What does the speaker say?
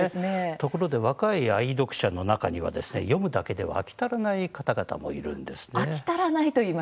ところで若い愛読者の中には読むだけでは飽き足らないという方々もいるんです。